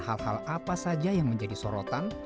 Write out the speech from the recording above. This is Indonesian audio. hal hal apa saja yang menjadi sorotan